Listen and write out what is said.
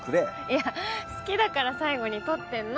いや好きだから最後に取ってるの。